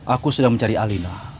aku sedang mencari alina